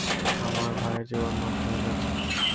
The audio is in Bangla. আমার ভাইয়ের জীবন নষ্ট হয়ে যাচ্ছে।